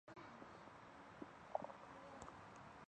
关于黎吉生在驱汉事件扮演的角色有两种不同解读。